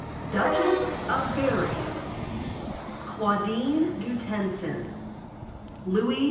Duchess of Berri. Claudine du Tencin. Louis XV.